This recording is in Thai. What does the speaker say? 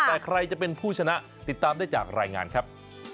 แต่ใครจะเป็นผู้ชนะติดตามได้จากรายงานครับ